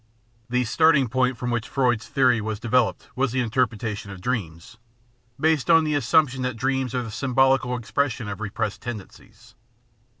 The starting point from which Freud's theory was de veloped was the interpretation of dreams, based on the assump tion that dreams are the symbolical expression of repressed tendencies.